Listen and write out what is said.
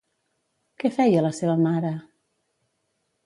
Què feia la seva mare?